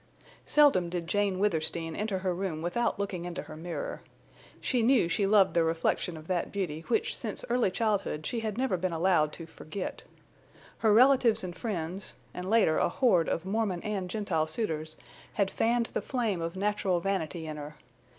Seldom did Jane Withersteen enter her room without looking into her mirror. She knew she loved the reflection of that beauty which since early childhood she had never been allowed to forget. Her relatives and friends, and later a horde of Mormon and Gentile suitors, had fanned the flame of natural vanity in her.